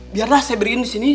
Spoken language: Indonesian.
biarlah saya berin di sini